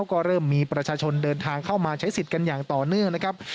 ก็เริ่มมีประชาชนเดินทางเข้ามาใช้สิทธิ์กันอย่างต่อเนื่องนะครับ